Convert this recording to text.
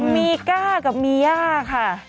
มีก้ากับมีย่าค่ะ